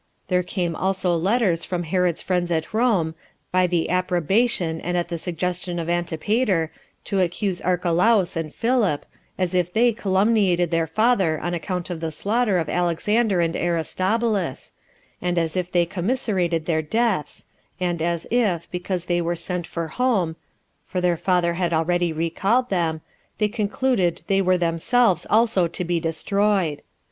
There came also letters from Herod's friends at Rome, by the approbation and at the suggestion of Antipater, to accuse Archelaus and Philip, as if they calumniated their father on account of the slaughter of Alexander and Aristobulus, and as if they commiserated their deaths, and as if, because they were sent for home, [for their father had already recalled them,] they concluded they were themselves also to be destroyed.